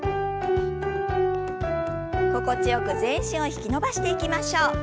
心地よく全身を引き伸ばしていきましょう。